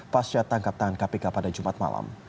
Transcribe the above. pasca tangkatan kpk pada jumat malam